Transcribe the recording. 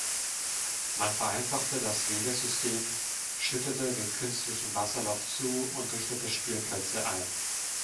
Man vereinfachte das Wegesystem, schüttete den künstlichen Wasserlauf zu und richtete Spielplätze ein.